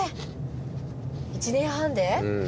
１年半で？